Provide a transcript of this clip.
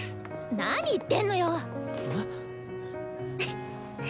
なに言ってんのよ！